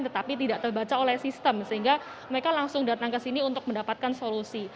tetapi tidak terbaca oleh sistem sehingga mereka langsung datang ke sini untuk mendapatkan solusi